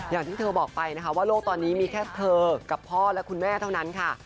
อย่างที่เธอบอกไปนะคะว่าโลกตอนนี้มีแค่เธอกับพ่อและคุณแม่เท่านั้นค่ะ